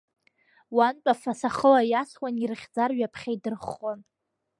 Уантә афаса хыла иасуан, ирыхьӡар ҩаԥхьа идырххон.